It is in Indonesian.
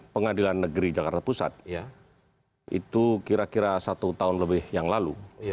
pengadilan negeri jakarta pusat itu kira kira satu tahun lebih yang lalu